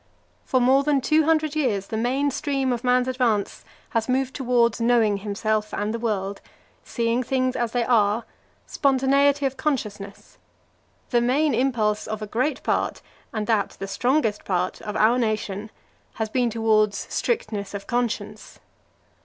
For more than two hundred years the main stream of man's advance has moved towards knowing himself and the world, seeing things as they are, spontaneity of consciousness; the main impulse of a great part, and that the strongest part, of our nation, has been towards strictness of conscience.